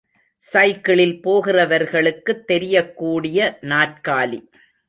சைக்கிளில் போகிறவர்களுக்குத் தெரியக்கூடிய நாற்காலி.